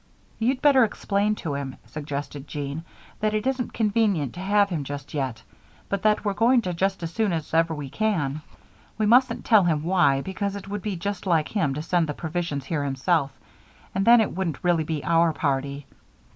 "You'd better explain to him," suggested Jean, "that it isn't convenient to have him just yet, but that we're going to just as soon as ever we can. We mustn't tell him why, because it would be just like him to send the provisions here himself, and then it wouldn't really be our party."